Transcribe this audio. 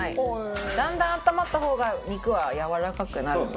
だんだん温まった方が肉はやわらかくなるので。